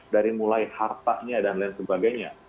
dari mulai hartanya dan lain sebagainya